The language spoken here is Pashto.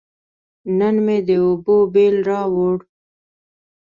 نن مې د اوبو بیل راووړ.